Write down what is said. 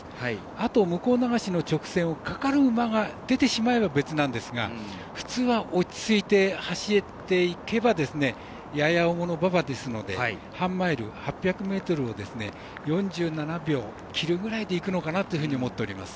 あと向こう流しの直線をかかる馬が出てしまえば別なんですが普通は落ち着いて走れていけばやや重の馬場ですので半マイル８００ｍを４７秒切るぐらいでいくのかなと思っております。